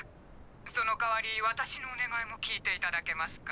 そのかわり私のお願いも聞いていただけますか？